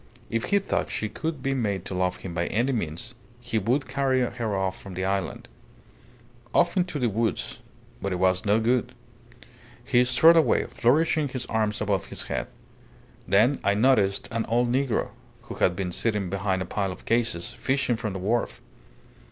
If he thought she could be made to love him by any means, he would carry her off from the island. Off into the woods. But it was no good. ... He strode away, flourishing his arms above his head. Then I noticed an old negro, who had been sitting behind a pile of cases, fishing from the wharf.